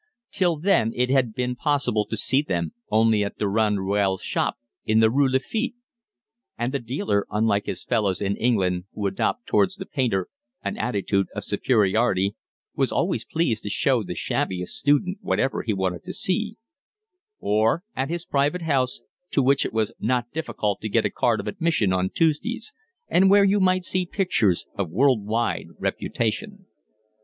Till then it had been possible to see them only at Durand Ruel's shop in the Rue Lafitte (and the dealer, unlike his fellows in England, who adopt towards the painter an attitude of superiority, was always pleased to show the shabbiest student whatever he wanted to see), or at his private house, to which it was not difficult to get a card of admission on Tuesdays, and where you might see pictures of world wide reputation.